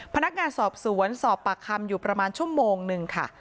พนักงานสอบสวนสอบปากคำอยู่ประมาณชั่วโมงนึงค่ะ